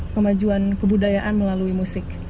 kemajuan kebudayaan melalui musik